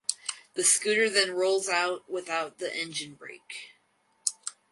The scooter then rolls out without the engine brake.